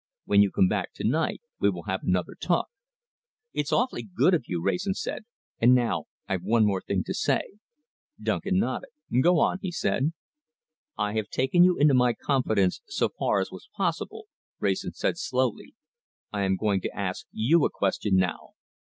When you come back to night we will have another talk." "It's awfully good of you," Wrayson said. "And now I've one thing more to say." Duncan nodded. "Go on," he said. "I have taken you into my confidence so far as was possible," Wrayson said slowly. "I am going to ask you a question now."